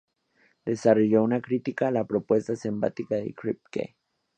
Desarrolló una crítica a la propuesta semántica de Kripke.